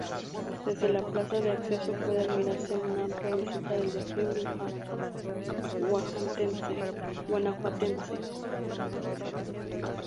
Desde la plaza de acceso puede admirarse una amplia vista del Bajío guanajuatense.